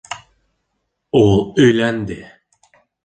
Ул өйләнде.